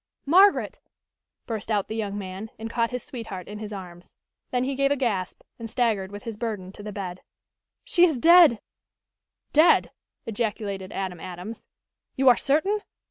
"Margaret!" burst out the young man and caught his sweetheart in his arms. Then he gave a gasp, and staggered with his burden to the bed. "She is dead!" "Dead!" ejaculated Adam Adams. "You are certain?"